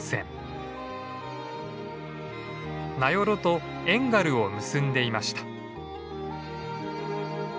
名寄と遠軽を結んでいました。